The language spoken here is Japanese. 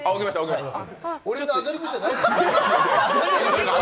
俺のアドリブじゃないですよ。